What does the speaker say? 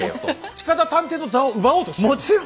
近田探偵の座を奪おうとしてる？